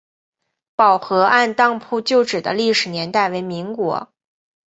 宝和按当铺旧址的历史年代为民国。